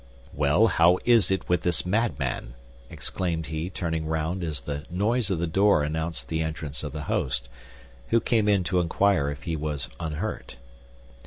"Well, how is it with this madman?" exclaimed he, turning round as the noise of the door announced the entrance of the host, who came in to inquire if he was unhurt.